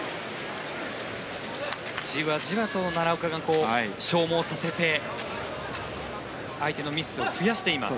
じわじわと奈良岡が消耗させて相手のミスを増やしています。